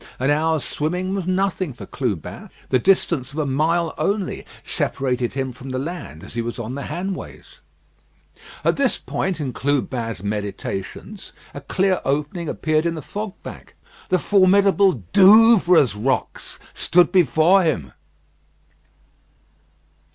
An hour's swimming was nothing for Clubin. The distance of a mile only separated him from the land, as he was on the Hanways. At this point in Clubin's meditations, a clear opening appeared in the fog bank, the formidable Douvres rocks stood before him.